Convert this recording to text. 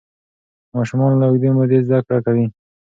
ماشومان له اوږدې مودې زده کړه کوي.